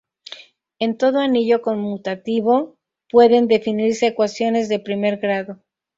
En todo anillo conmutativo pueden definirse ecuaciones de primer grado.